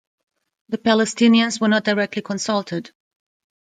The Palestinians were not directly consulted.